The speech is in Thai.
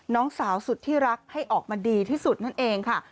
น้องสาวสุดที่รักให้ออกมาดีที่สุดนั่นเองค่ะ